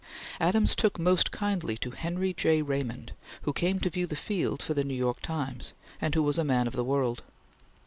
Adams took most kindly to Henry J. Raymond, who came to view the field for the New York Times, and who was a man of the world.